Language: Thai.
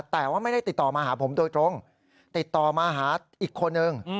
แต่ว่าไม่ได้ติดต่อมาหาผมโดยตรงติดต่อมาหาอีกคนนึง